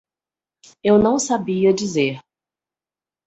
Eu não sabia dizer.